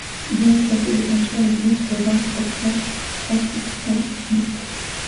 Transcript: L’initiative de construire l’église revint au frère franciscain Luke.